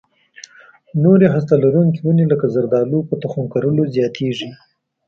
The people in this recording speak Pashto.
نورې هسته لرونکې ونې لکه زردالو په تخم کرلو زیاتېږي.